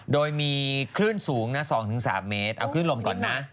โดยมีคลื่นสูงนะ๒๓เมตรเอาขึ้นลมก่อนนะ